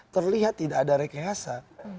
terlihat tidak ada rekayasa